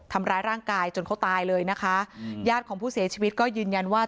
ทำร้ายร่างกายจนเขาตายเลยนะคะญาติของผู้เสียชีวิตก็ยืนยันว่า